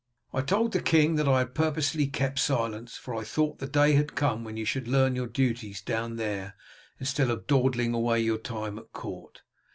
"I told the king that I had purposely kept silence, for I thought the day had come when you should learn your duties down there instead of dawdling away your time at court.